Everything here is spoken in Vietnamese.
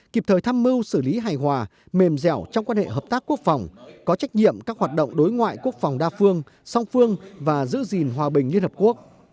kịp thời tham mưu xử lý hài hòa mềm dẻo trong quan hệ hợp tác quốc phòng có trách nhiệm các hoạt động đối ngoại quốc phòng đa phương song phương và giữ gìn hòa bình liên hợp quốc